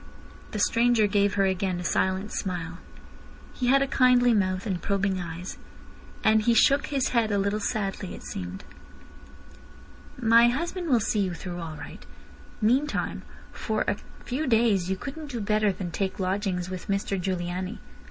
The stranger gave her again a silent smile. He had a kindly mouth and probing eyes. And he shook his head a little sadly, it seemed. "My husband will see you through all right. Meantime for a few days you couldn't do better than take lodgings with Mr Giugliani.